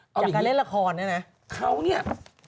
จากการเล่นละครเนี่ยนะเขาเนี่ย